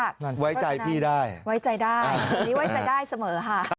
พี่พี่พี่พี่พี่พี่พี่พี่พี่พี่